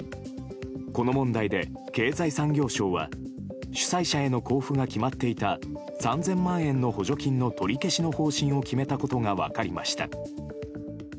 この問題で経済産業省は主催者への交付が決まっていた３０００万円の補助金の取り消しの方針を決めたことが分かりました。